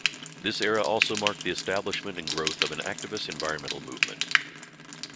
This era also marked the establishment and growth of an activist environmental movement.